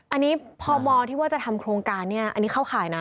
อันนี้พ่อบอกว่าจะทำโครงการอันนี้เข้าขายนะ